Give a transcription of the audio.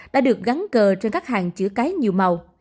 đã được gắn cờ trên các hàng chữa cái nhiều màu